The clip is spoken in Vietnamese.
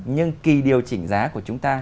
nhưng kỳ điều chỉnh giá của chúng ta